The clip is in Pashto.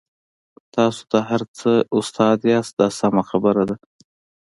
تاسو د هر څه استاد یاست دا سمه خبره ده.